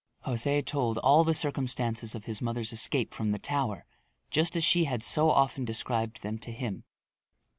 José told all the circumstances of his mother's escape from the tower, just as she had so often described them to him.